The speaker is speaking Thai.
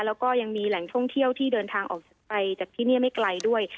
แล้วก็ยังมีแหล่งท่องเที่ยวที่เดินทางออกไปจากที่นี่ไม่ไกลด้วย